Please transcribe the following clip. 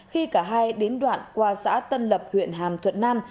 khi cả hai đến đoạn qua xã tân lập huyện hàm thuận nam